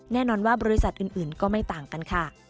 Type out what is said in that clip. แน่นอนว่าบริษัทอื่นก็ไม่ต่างกันค่ะ